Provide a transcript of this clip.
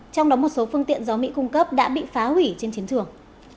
trong đó một số phương tiện do mỹ cung cấp đã bị phá hủy trên chiến trường